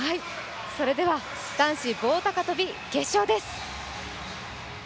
それでは男子棒高跳決勝です。